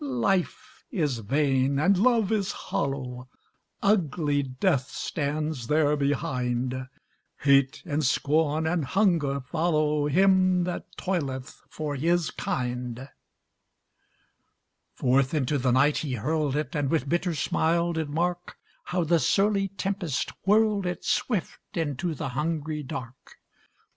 Life is vain, and love is hollow, Ugly death stands there behind, Hate and scorn and hunger follow Him that toileth for his kind." Forth into the night he hurled it, And with bitter smile did mark How the surly tempest whirled it Swift into the hungry dark.